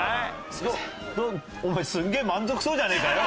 お前すげえ満足そうじゃねえかよ！